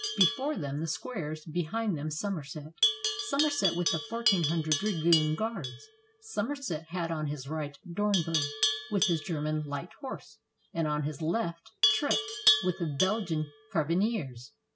Before them, the squares, behind them Somerset; Somerset with the fourteen hundred dragoon guards. Somerset had on his right Dornberg, with his German light horse, and on his left Trip, with the Belgian carbi neers.